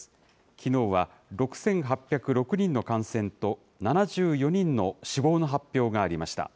きのうは６８０６人の感染と７４人の死亡の発表がありました。